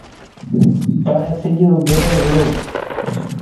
پر سڄ اُڀري وُهڙو۔